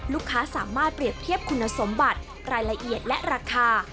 ลูกค้าสามารถเปรียบเทียบคุณสมบัติรายละเอียดและราคา